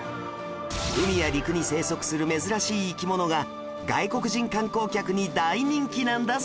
海や陸に生息する珍しい生き物が外国人観光客に大人気なんだそう